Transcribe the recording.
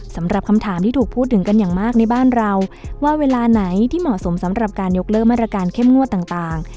สำหรับคำถามที่ถูกพูดถึงกันอย่างมากในบ้านเราว่าเวลาไหนที่เหมาะสมสำหรับการยกเลิกมาตรการเข้มงวดต่าง